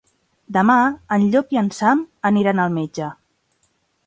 Demà en Llop i en Sam aniran al metge.